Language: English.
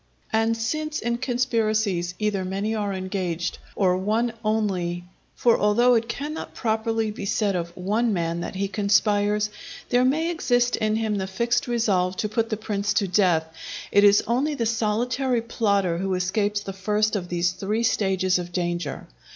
And since in conspiracies either many are engaged, or one only (for although it cannot properly be said of one man that he conspires, there may exist in him the fixed resolve to put the prince to death), it is only the solitary plotter who escapes the first of these three stages of danger.